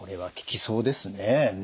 そうですね